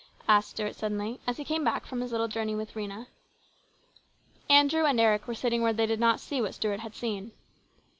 asked Stuart suddenly, as he came back from his little journey with Rhena. Andrew and Eric were sitting where they did not see what Stuart had seen.